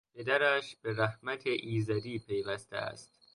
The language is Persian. پدرش به رحمت ایزدی پیوسته است.